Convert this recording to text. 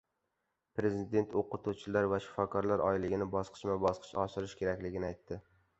Prezident o‘qituvchilar va shifokorlar oyligini bosqichma-bosqich oshirish kerakligini aytdi